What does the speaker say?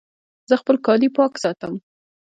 زه خپل کالي پاک ساتم